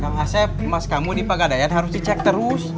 kang haseb emas kamu di pagadaian harus dicek terus